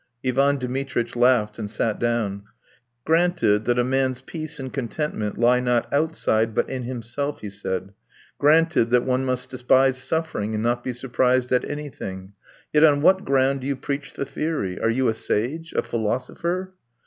Ivan Dmitritch laughed and sat down. "Granted that a man's peace and contentment lie not outside but in himself," he said, "granted that one must despise suffering and not be surprised at anything, yet on what ground do you preach the theory? Are you a sage? A philosopher?"